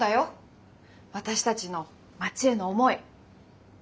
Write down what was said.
私たちの町への思い。